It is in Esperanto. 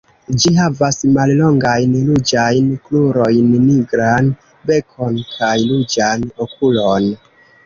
Ĝi havas mallongajn ruĝajn krurojn, nigran bekon kaj ruĝan okulon.